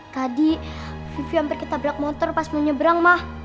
tadi vivi hampir ketabrak motor pas mau nyebrang ma